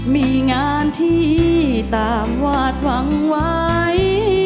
มีงานที่ตามวาดหวังไว้